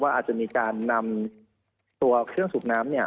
อาจจะมีการนำตัวเครื่องสูบน้ำ